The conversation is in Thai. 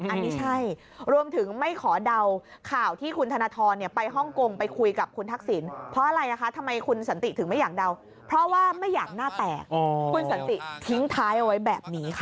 อันนี้ใช่รวมถึงไม่ขอเดา